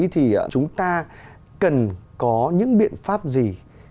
thì chúng ta cần có những biện pháp gì